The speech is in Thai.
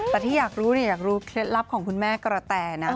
แต่ที่อยากรู้เนี่ยอยากรู้เคล็ดลับของคุณแม่กระแตนะ